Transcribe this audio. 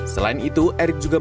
selain itu erick juga